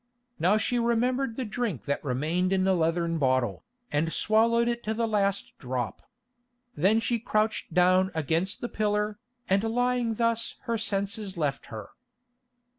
Now she remembered the drink that remained in the leathern bottle, and swallowed it to the last drop. Then she crouched down again against the pillar, and lying thus her senses left her.